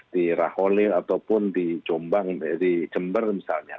di raholil ataupun di jember misalnya